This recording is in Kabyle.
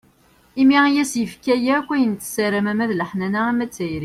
Imi i s-yefka akk ayen i tessaram ama d leḥnana, ama d tayri.